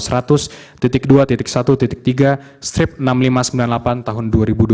strip enam ribu lima ratus sembilan puluh delapan tahun dua ribu dua puluh tiga